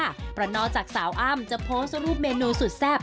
เพราะนอกจากสาวอ้ำจะโพสต์รูปเมนูสุดแซ่บ